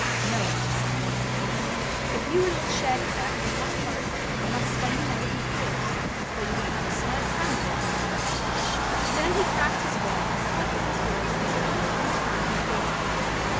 "No," he said in conclusion, "if you and old shaggy back cannot part, you must spend the night in the forest, though you will have a sad time of it, no doubt." Then he cracked his whip, clucked to his horse, and set off once more on his way homeward.